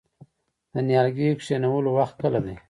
د نیالګي کینولو وخت کله دی؟